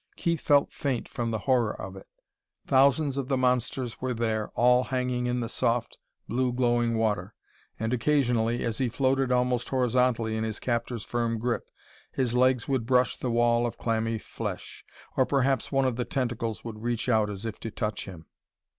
Keith felt faint from the horror of it. Thousands of the monsters were there, all hanging in the soft, blue glowing water; and occasionally, as he floated almost horizontally in his captor's firm grip, his legs would brush the wall of clammy flesh; or perhaps one of the tentacles would reach out as if to touch him.